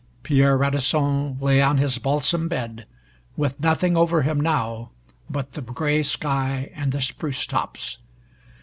Pierre Radisson lay on his balsam bed, with nothing over him now but the gray sky and the spruce tops.